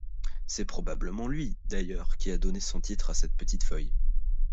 C'est probablement lui, d'ailleurs, qui a donné son titre à cette petite feuille.